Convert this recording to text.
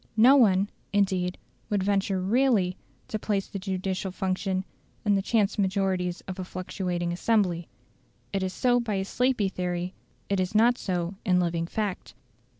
No one, indeed, would venture REALLY to place the judicial function in the chance majorities of a fluctuating assembly: it is so by a sleepy theory; it is not so in living fact.